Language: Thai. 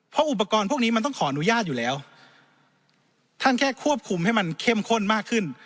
เพราะอุปกรณ์พวกนี้มันต้องขออนุญาตอยู่แล้วท่านแค่ควบคุมให้มันเข้มข้นมากขึ้น